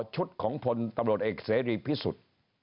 ชุดของพลตำรวจเอกเสรีผิดสุด